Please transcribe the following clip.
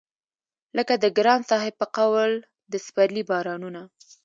لکه د ګران صاحب په قول د سپرلي بارانونه